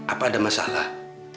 apa ada masalah